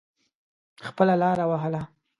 خپله لاره وهله.